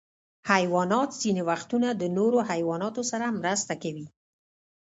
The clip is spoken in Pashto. حیوانات ځینې وختونه د نورو حیواناتو سره مرسته کوي.